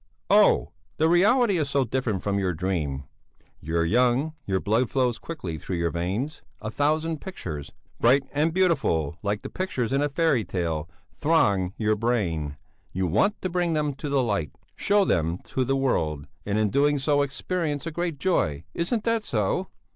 "Oh! the reality is so different from your dream! You're young, your blood flows quickly through your veins, a thousand pictures, bright and beautiful like the pictures in a fairy tale throng your brain; you want to bring them to the light, show them to the world and in doing so experience a great joy isn't that so?"